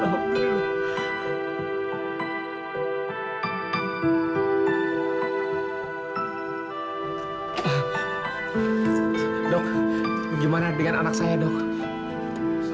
dok bagaimana dengan anak saya dok